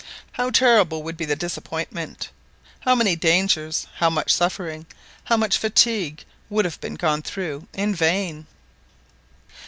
How terrible would be the disappointment! How many dangers, how much suffering, how much fatigue, would have been gone through in vain